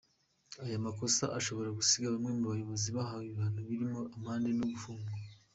Aya makosa ashobora gusiga bamwe mu bayobozi bahawe ibihano birimo amande no gufungwa.